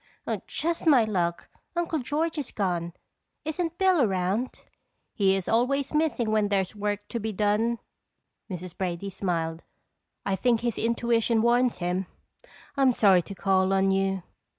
"Just my luck Uncle George is gone. Isn't Bill around?" "He is always missing when there's work to be done," Mrs. Brady smiled. "I think his intuition warns him. I'm sorry to call on you."